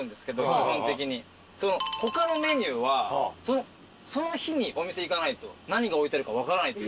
基本的に他のメニューはその日にお店行かないと何が置いてあるか分からない。